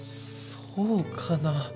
そうかなあ。